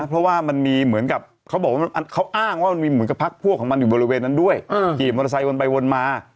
เพราะว่ามันมีเหมือนกับเขาบอกว่าเขาอ้างว่ามันมีเหมือนกับพักพวกของมันอยู่บริเวณนั้นด้วยขี่มอเตอร์ไซค์วนไปวนมา